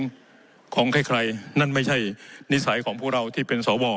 ของใครนั่นไม่ใช่นิสัยของพวกเราที่เป็นสว